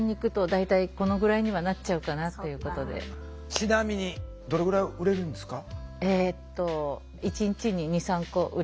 ちなみにどれぐらい売れるんですか？